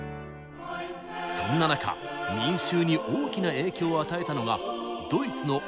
そんな中民衆に大きな影響を与えたのがドイツのマルティン・ルター。